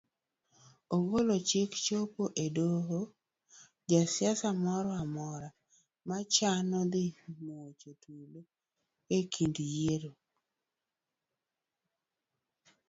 Ogol chik chopo e doho jasiasa moramora machano dhi muocho tulo e kinde yiero